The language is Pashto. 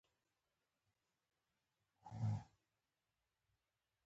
انکشاف پکې راغلی وای.